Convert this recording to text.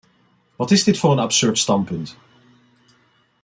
Wat is dit voor een absurd standpunt?